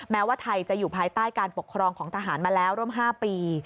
แม้ว่าไทยจะอยู่ภายใต้การปกครองของทหารมาแล้วร่วม๕ปี